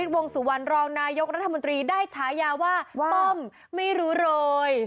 วงสุวรรณรองนายกรัฐมนตรีได้ฉายาว่าป้อมไม่รู้โรย